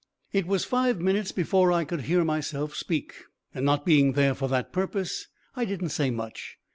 It was five minutes before I could hear myself speak, and, not being there for that purpose, I didn't say much.